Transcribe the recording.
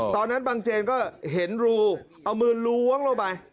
บางเจนก็เห็นรูเอามือล้วงลงไป